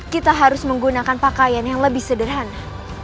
kita harus menggunakan pakaian yang lebih sederhana